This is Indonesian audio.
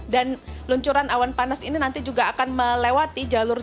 dan luncuran awan panas ini nanti juga akan melewati jalur